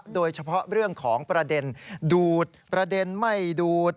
โดยเฉพาะเรื่องของประเด็นดูดประเด็นไม่ดูด